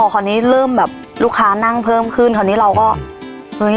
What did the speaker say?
คราวนี้เริ่มแบบลูกค้านั่งเพิ่มขึ้นคราวนี้เราก็เฮ้ย